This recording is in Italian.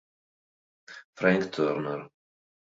Frank Turner